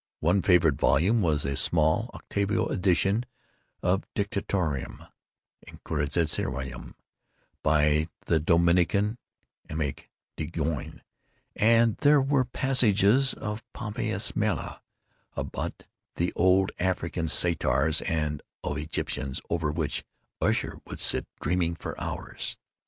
One favorite volume was a small octavo edition of the Directorium Inquisitorium, by the Dominican Eymeric de Gironne; and there were passages in Pomponius Mela, about the old African Satyrs and OEgipans, over which Usher would sit dreaming for hours.